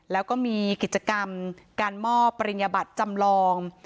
แล้วก็มีกิจกรรมการมอบปริญญบัตรจำลอง